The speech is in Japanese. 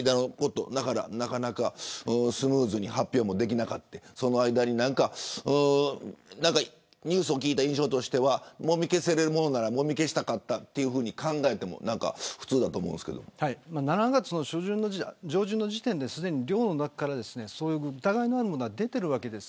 なかなかスムーズに発表もできなくて、その間にニュースを聞いた印象としてはもみ消せるものならもみ消したかったと考えるのが７月上旬の時点で寮の中から疑いのあるものは出ているわけです。